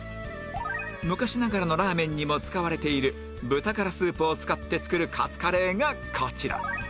昔ながらのラーメンにも使われている豚がらスープを使って作るカツカレーがこちら